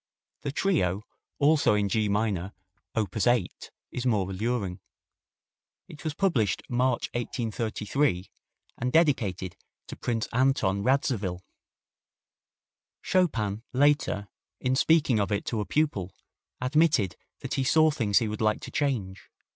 The trio, also in G minor, op. 8, is more alluring. It was published March, 1833, and dedicated to Prince Anton Radziwill. Chopin later, in speaking of it to a pupil, admitted that he saw things he would like to change.